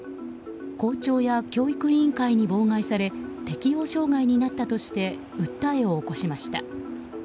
校長や教育委員会に妨害され適応障害になったとして訴えを起こしました。